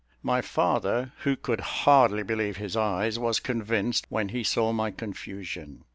My father, who could hardly believe his eyes, was convinced when he saw my confusion.